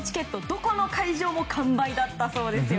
どこの会場も完売だったそうですよ。